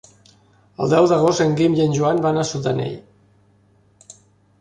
El deu d'agost en Guim i en Joan van a Sudanell.